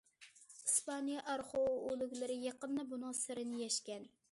ئىسپانىيە ئارخېئولوگلىرى يېقىندا بۇنىڭ سىرىنى يەشكەن.